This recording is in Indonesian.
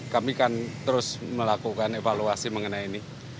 kami akan terus melakukan evaluasi mengenai ini